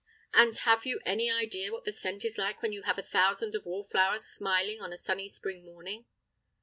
And have you any idea what the scent is like when you have thousands of wallflowers smiling on a sunny spring morning?